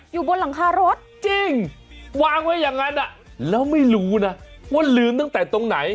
อยู่บนหลังคารถจริงวางไว้อย่างนั้นแล้วไม่รู้นะว่าลืมตั้งแต่ตรงไหน